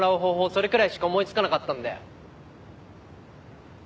それくらいしか思いつかなかったんだよ。